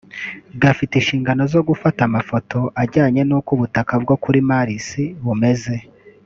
gafite inshingano zo gufata amafoto ajyanye n’uko ubutaka bwo kuri Mars bumeze